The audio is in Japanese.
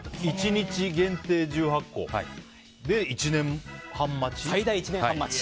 １日限定１８個で１年半待ち？